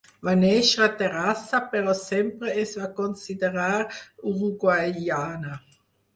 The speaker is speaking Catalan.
Va néixer a Terrassa, però sempre es va considerar uruguaiana.